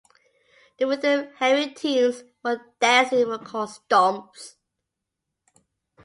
The rhythm-heavy tunes for dancing were called stomps.